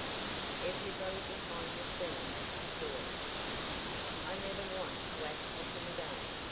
Everybody behind the scenes saw it. "I never want to act with him again!"